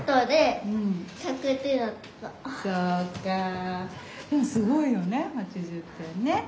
でもすごいよね